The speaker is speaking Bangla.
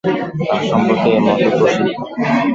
তাঁর সম্পর্কে এ মতই প্রসিদ্ধ।